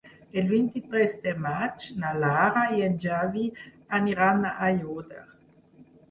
El vint-i-tres de maig na Lara i en Xavi aniran a Aiòder.